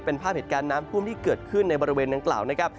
เป็นภาพเหตุการณ์น้ำท่วมที่เกิดขึ้นในบริเวณดังกล่าวนะครับ